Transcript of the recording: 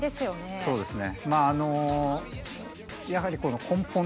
そうですね。